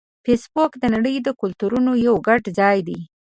فېسبوک د نړۍ د کلتورونو یو ګډ ځای دی